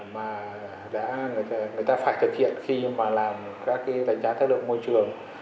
mà người ta phải thực hiện khi mà làm các đánh giá thái độ môi trường